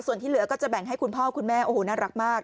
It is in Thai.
ส่วนที่เหลือก็จะแบ่งให้คุณพ่อคุณแม่โอ้โหน่ารักมาก